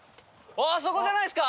あそこじゃないですか？